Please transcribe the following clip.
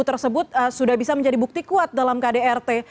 dibut sudah bisa menjadi bukti kuat dalam kdrt